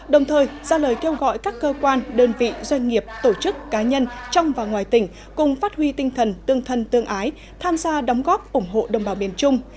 đồng thời ra lời kêu gọi các cơ quan đơn vị doanh nghiệp tổ chức cá nhân trong và ngoài tỉnh cùng phát huy tinh thần tương thân tương ái tham gia đóng góp ủng hộ đồng bào miền trung